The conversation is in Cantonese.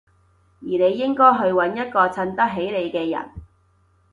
而你應該去搵一個襯得起你嘅人